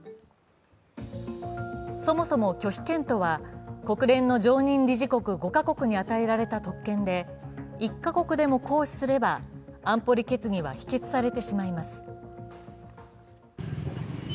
そもそも拒否権とは、国連の常任理事国５か国に与えられた特権で１か国でも行使すれば、安保理決議は否決されてしまいます。